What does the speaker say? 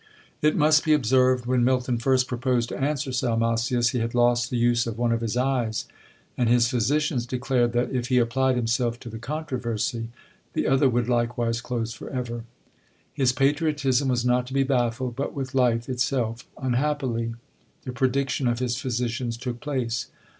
It must be observed, when Milton first proposed to answer Salmasius, he had lost the use of one of his eyes; and his physicians declared that, if he applied himself to the controversy, the other would likewise close for ever! His patriotism was not to be baffled, but with life itself. Unhappily, the prediction of his physicians took place!